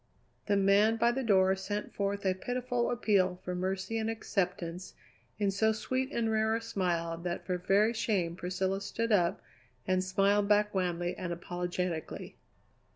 The man by the door sent forth a pitiful appeal for mercy and acceptance in so sweet and rare a smile that for very shame Priscilla stood up and smiled back wanly and apologetically.